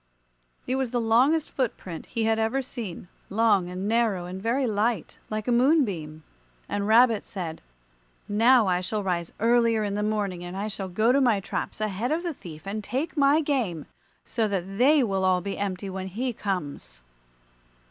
It was the longest foot print he had ever seen, long and narrow and very light, like a moonbeam. And Rabbit said, "Now I shall rise earlier in the morning, and I shall go to my traps ahead of the thief and take my game, so that they will all be empty when he comes."